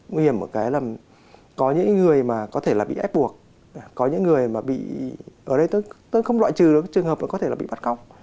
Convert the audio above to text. nguy hiểm ở cái là có những người mà có thể là bị ép buộc có những người mà bị ở đây tôi không loại trừ được trường hợp có thể là bị bắt cóc